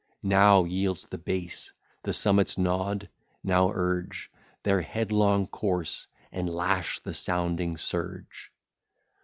Now yields the base, the summits nod, now urge Their headlong course, and lash the sounding surge.